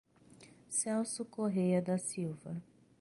Celso Correa da Silva